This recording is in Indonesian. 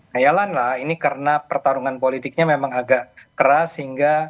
hayalan lah ini karena pertarungan politiknya memang agak keras sehingga